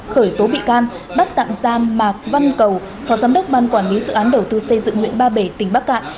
khởi tố bị can bắt tạm giam mạc văn cầu phó giám đốc ban quản lý dự án đầu tư xây dựng huyện ba bể tỉnh bắc cạn